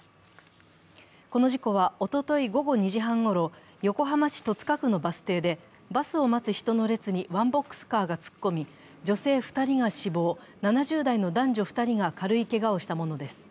この事故は、おととい午後２時半ごろ、横浜市戸塚区のバス停で、バスを待つ人の列にワンボックスカーが突っ込み、女性２人が死亡、７０代の男女２人が軽いけがをしたものです。